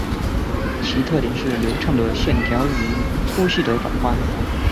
其特点是流畅的线条与粗细的转换。